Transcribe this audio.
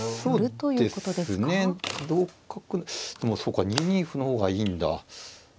でもそうか２二歩の方がいいんだ。